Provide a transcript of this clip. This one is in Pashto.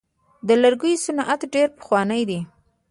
د لرګیو صنعت ډیر پخوانی دی.